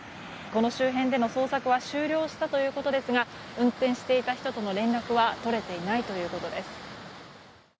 この周辺での捜索は終了したということですが運転していた人との連絡はとれていないということです。